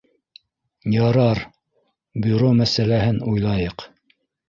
Ярар, бюро мәсьәлә һен уйлайыҡ